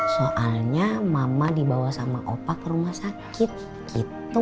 soalnya mama dibawa sama opa ke rumah sakit gitu